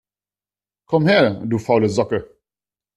Komm her, du faule Socke!